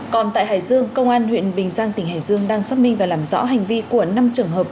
còn tại hải dương công an huyện bình giang tỉnh hải dương đang xác minh và làm rõ hành vi của năm trường hợp